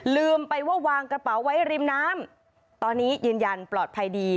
ลืมไปว่าวางกระเป๋าไว้ริมน้ำตอนนี้ยืนยันปลอดภัยดี